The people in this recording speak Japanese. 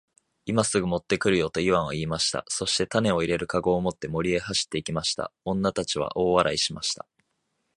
「今すぐ持って来るよ。」とイワンは言いました。そして種を入れる籠を持って森へ走って行きました。女たちは大笑いしました。